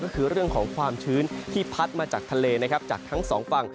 ก็คือเรื่องของความชื้นที่พัดมาจากทะเลนะครับจากทั้งสองฝั่ง